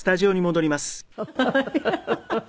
ハハハハ。